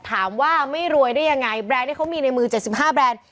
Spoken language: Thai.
ถามว่าไม่รวยได้ยังไงแบรนด์ที่เขามีในมือ๗๕แบรนด์